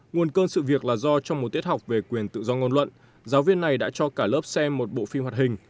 nguồn cơn sự việc là do trong một tiết học về quyền tự do ngôn luận giáo viên này đã cho cả lớp xem một bộ phim hoạt hình